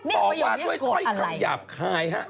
ต่อวาดด้วยค่อยขยับคาย